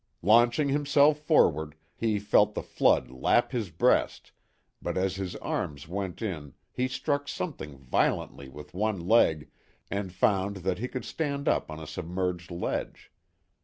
Launching himself forward, he felt the flood lap his breast, but as his arms went in he struck something violently with one leg and found that he could stand up on a submerged ledge.